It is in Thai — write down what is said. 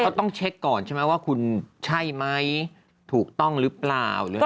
เขาต้องเช็คก่อนใช่ไหมว่าคุณใช่ไหมถูกต้องหรือเปล่า